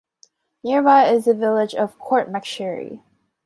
Nearby is the village of Courtmacsherry.